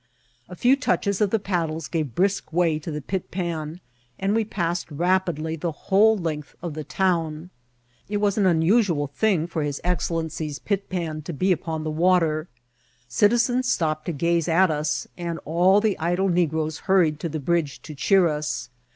A few touches of the paddles gave brisk way to the pit pan, and we passed rapidly the whole length of the town. It was an unusual thing for his excellen cy's pit pan to be upon the water ; citizens stopped to gaze at us, and all the idle negroes hurried to the bridge to cheer us.